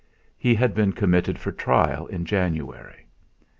He had been committed for trial in January.